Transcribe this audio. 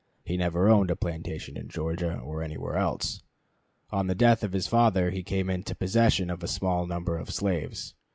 He never owned a plantation in Georgia or anywhere else. On the death of his father he came into possession of a small number of slaves.